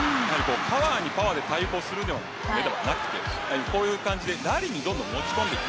パワーにパワーで対抗するのではなくてこういう感じでラリーに持ち込んでいく。